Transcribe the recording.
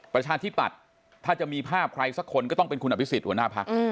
ประชาชนที่ปัดถ้าจะมีภาพใครสักคนก็ต้องเป็นคุณอภิกษิศหัวหน้าพักษ์